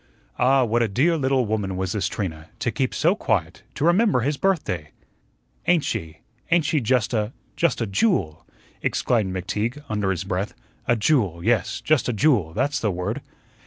Ah, what a dear little woman was this Trina, to keep so quiet, to remember his birthday! "Ain't she ain't she just a just a JEWEL," exclaimed McTeague under his breath, "a JEWEL yes, just a JEWEL; that's the word."